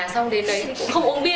xong đến đấy cũng không uống bia